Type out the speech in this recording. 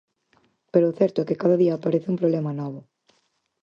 Pero o certo é que cada día aparece un problema novo.